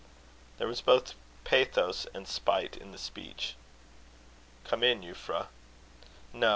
There was both pathos and spite in the speech. "Come in, Euphra." "No.